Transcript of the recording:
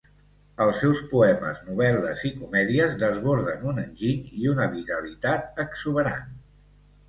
Els seus poemes, novel·les i comèdies desborden un enginy i una vitalitat exuberant.